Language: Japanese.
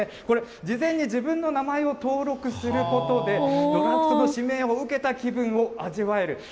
これ、事前に自分の名前を登録することで、ドラフトの指名を受けた気分を味わえる。